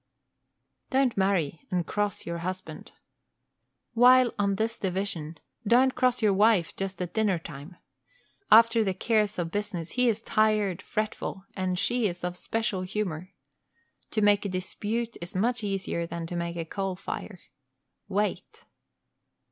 Don't marry and cross your husband. While on this division, don't cross your wife just at dinner time. After the cares of business he is tired, fretful, and she is of similar humor. To make a dispute is much easier than to make a coal fire. Wait!